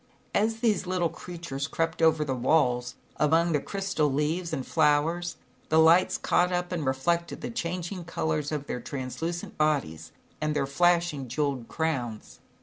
As these little creatures crept over the walls, among the crystal leaves and flowers, the lights caught up and reflected the changing colors of their translucent bodies, and their flashing jewelled crowns.